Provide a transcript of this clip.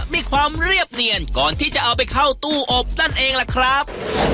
มีความเรียบเนียนก่อนที่จะเอาไปเข้าตู้อบนั่นเองล่ะครับ